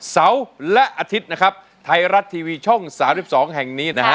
เสาร์และอาทิตย์นะครับไทยรัฐทีวีช่อง๓๒แห่งนี้นะฮะ